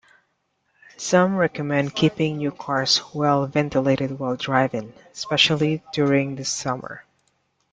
Some recommend keeping new cars well ventilated while driving, especially during the summer.